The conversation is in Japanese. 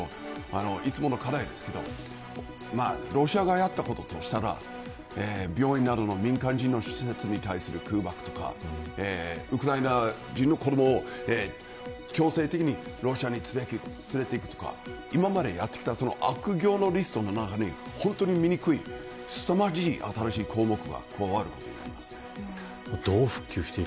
いつもの課題ですけどロシアがやったこととしたら病院などの民間人の施設に対する空爆とかウクライナ人の子ども強制的にロシアに連れて行くとか今までやってきた悪業のリストの中に本当に醜い、すさまじい新しい項目が加わることになります。